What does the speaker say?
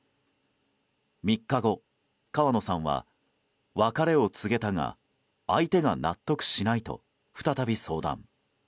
３日後、川野さんは別れを告げたが相手が納得しないと再び相談。